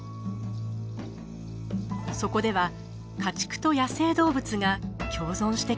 そこでは家畜と野生動物が共存してきました。